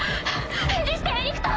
返事してエリクト！